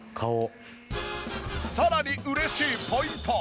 さらに嬉しいポイント。